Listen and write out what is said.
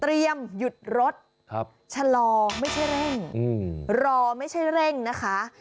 เตรียมหยุดรถครับชะลอไม่ใช่เร่งหรอไม่ใช่เร่งนะคะ